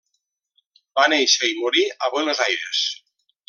Va néixer i morir a Buenos Aires.